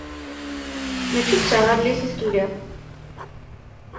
Mačči d taɣallit i telliḍ?